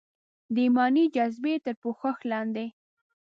د ایماني جذبې تر پوښښ لاندې.